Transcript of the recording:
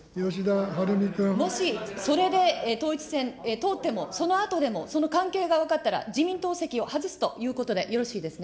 もし、それで統一選通っても、そのあとでの、その関係が分かったら、自民党席を外すということでよろしいですね。